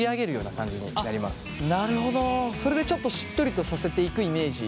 それでちょっとしっとりとさせていくイメージ？